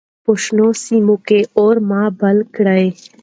په شنو سیمو کې اور مه بل کړئ.